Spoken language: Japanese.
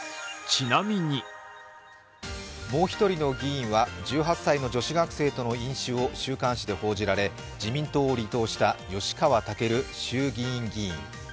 もう一人の議員は１８歳の女子学生との飲酒を週刊誌で報じられ自民党を離党した吉川赳衆議院議員。